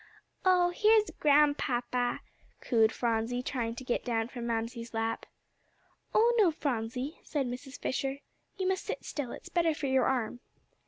"Oh, here's Grandpapa!" cooed Phronsie, trying to get down from Mamsie's lap. "Oh, no, Phronsie," said Mrs. Fisher, "you must sit still; it's better for your arm."